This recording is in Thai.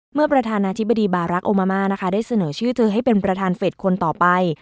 ประธานาธิบดีบารักษ์โอมาม่านะคะได้เสนอชื่อเธอให้เป็นประธานเฟสคนต่อไป